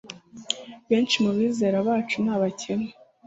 Benshi mu bizera bacu ni abakene